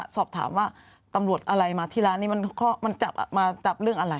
สอบถามว่าตำรวจอะไรมาที่ร้านนี้มันจับมาจับเรื่องอะไร